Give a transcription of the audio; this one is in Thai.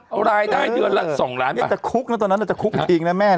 เอาได้ได้เดือนล่ะ๒ล้านจะคุกน่ะตอนนั้นน่ะจะคุกถึงไหนแม่